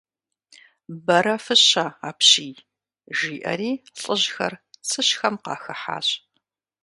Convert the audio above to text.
Бэрэфыщэ апщий! – жиӀэри лӀыжьыр цыщхэм къахыхьащ.